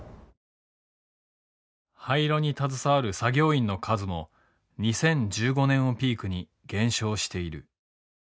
廃炉に携わる作業員の数も２０１５年をピークに減少している。